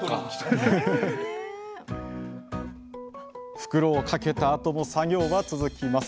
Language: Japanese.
袋をかけたあとも作業は続きます。